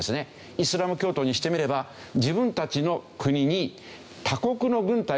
イスラム教徒にしてみれば自分たちの国に他国の軍隊が攻め込んできた。